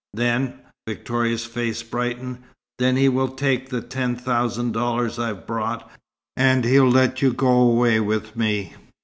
"Then " Victoria's face brightened "then he will take the ten thousand dollars I've brought, and he'll let you go away with me."